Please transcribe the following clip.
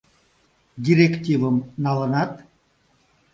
— Директивым налынат?